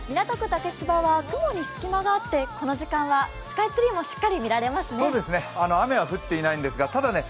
竹芝は雲に隙間があってこの時間はスカイツリーもしっかり見られますね。